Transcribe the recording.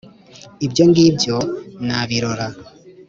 ibyo ngibyo nabirora